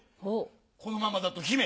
このままだと姫